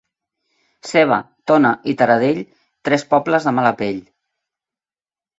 Seva, Tona i Taradell, tres pobles de mala pell.